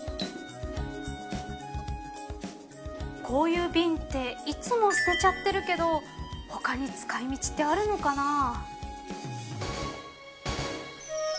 こういう瓶っていつも捨てちゃってるけど他に使い道ってあるのかな？